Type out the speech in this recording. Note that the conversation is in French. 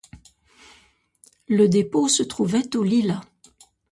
Le dépôt se trouvait aux Lilas.